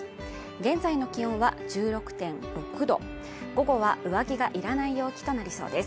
現在の気温は１６．６度、午後は上着がいらない陽気となりそうです。